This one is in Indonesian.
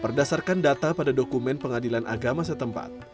berdasarkan data pada dokumen pengadilan agama setempat